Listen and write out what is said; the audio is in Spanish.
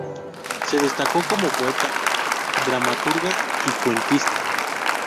Se destacó como poeta, dramaturga y cuentista.